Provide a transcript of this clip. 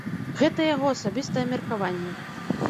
Гэта яго асабістае меркаванне.